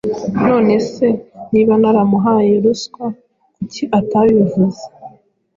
nonese niba naramuhaye ruswa kuki atabivuze